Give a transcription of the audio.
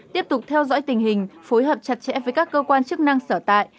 tiếp tục theo dõi tình hình phối hợp chặt chẽ với các cơ quan chức năng sở tại